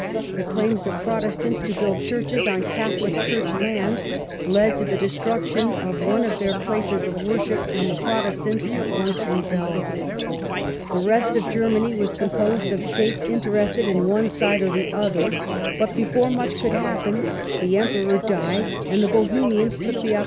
The claims of Protestants to build churches on Catholic church lands led to the destruction of one of their places of worship, and the Protestants at once rebelled. The rest 1 6 THE king's indecision. of Germany was composed of states interested in one side or the other; but before much could happen the Em The Bohemian peror died, and the Bohemians took the oppor Eiection.